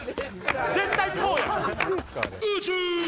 絶対こうや！